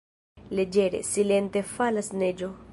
Leĝere, silente falas neĝo.